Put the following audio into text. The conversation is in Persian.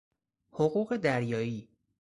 حقوق دریایی